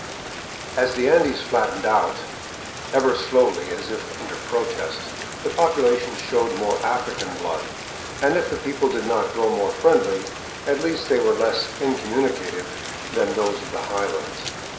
As the Andes flattened down, ever slowly and as if under protest, the population showed more African blood ; and if the people did not grow more friendly, at least they were less incommunicative than those of the highlands.